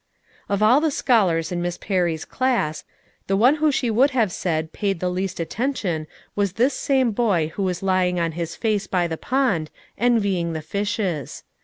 Of all the scholars in Miss Perry's class, the one who she would have said paid the least attention was this same boy who was lying on his face by the pond, envying the fishes.